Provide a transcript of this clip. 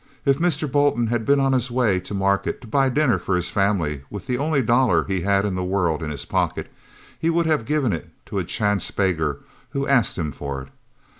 If Mr. Bolton had been on his way to market to buy a dinner for his family with the only dollar he had in the world in his pocket, he would have given it to a chance beggar who asked him for it.